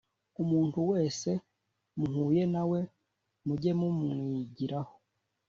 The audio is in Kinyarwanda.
umuntu wese muhuye na we muge mumwigiraho,